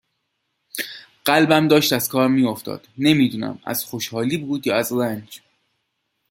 قلبم داشت از کار می افتاد نمی دونم از خوشحالی بود یا از رنج